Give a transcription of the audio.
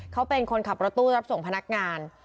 เขาเป็นคนขับรถตู้รับส่งพนักงาน